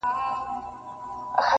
د زړو شرابو ډکي دوې پیالي دی,